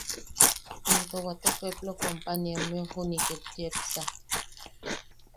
Into waate pueplo companyiammeu juni’i ket yepsa.